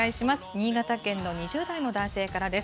新潟県の２０代の男性からです。